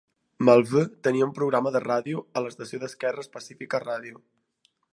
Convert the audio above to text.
Malveaux tenia un programa de ràdio a l'estació d'esquerres Pacifica Radio.